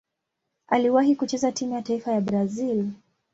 Aliwahi kucheza timu ya taifa ya Brazil.